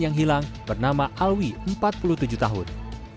yang hilang bernama alwi empat puluh tujuh tahun